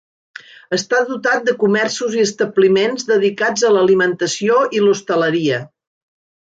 Està dotat de comerços i establiments dedicats a l'alimentació i l'hostaleria.